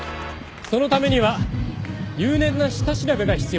そのためには入念な下調べが必要でした。